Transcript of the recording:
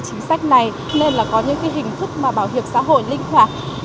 chính sách này nên là có những hình thức mà bảo hiểm xã hội linh hoạt